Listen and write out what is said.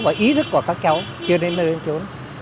và ý thức của các cháu chưa đến nơi đến trốn